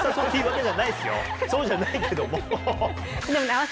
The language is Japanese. そうじゃないけども。